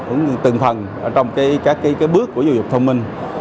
ứng dụng từng phần trong các cái bước của giáo dục thông minh